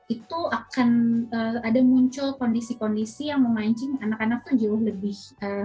itu akan ada muncul kondisi kondisi yang memancing anak anak tuh jauh lebih